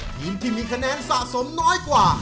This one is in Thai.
ทีมที่มีคะแนนสะสมน้อยกว่า